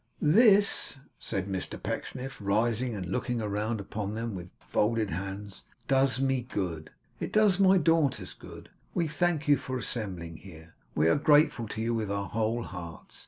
'This,' said Mr Pecksniff, rising and looking round upon them with folded hands, 'does me good. It does my daughters good. We thank you for assembling here. We are grateful to you with our whole hearts.